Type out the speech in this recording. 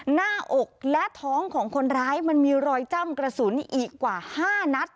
หน้าอกและท้องของคนร้ายมันมีรอยจ้ำกระสุนอีกกว่า๕นัด